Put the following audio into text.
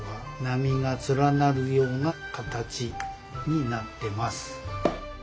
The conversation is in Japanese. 波が連なるような形になってます。